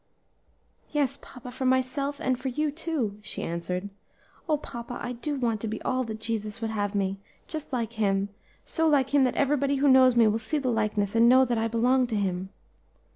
"Yes, papa, for myself and for you too," she answered. "O papa! I do want to be all that Jesus would have me! just like Him; so like Him that everybody who knows me will see the likeness and know that I belong to Him."